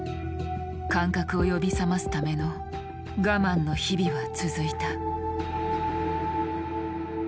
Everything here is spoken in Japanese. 感覚を呼び覚ますための我慢の日々は続いた。